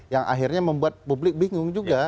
yang akhirnya membuat publik bingung juga